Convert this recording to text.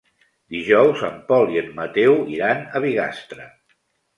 Dijous en Pol i en Mateu iran a Bigastre.